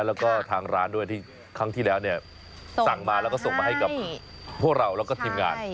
แล้วก็ทางร้านด้วยที่ครั้งที่แล้วเนี่ยสั่งมาแล้วก็ส่งมาให้กับพวกเราแล้วก็ทีมงาน